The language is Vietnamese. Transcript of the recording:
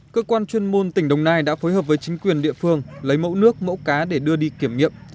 cơ quan chuyên môn tỉnh đồng nai đã phối hợp với chính quyền địa phương lấy mẫu nước mẫu cá để đưa đi kiểm nghiệm